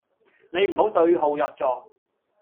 你唔好對號入座